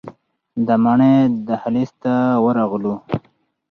د ماڼۍ دهلیز ته ورغلو.